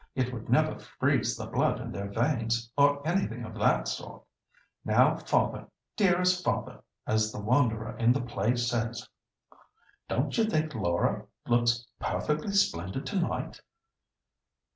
It would never freeze the blood in their veins, or anything of that sort. Now 'father, dearest father!' as the Wanderer in the play says, don't you think Laura looks perfectly splendid to night?"